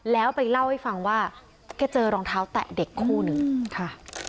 แล้วไปเล่าให้ฟังว่าแกเจอรองเท้าแตะเด็กคู่หนึ่งค่ะ